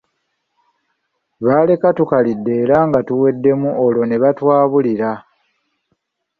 Baaleka tukalidde era nga tuwedemu olwo ne batwabulira.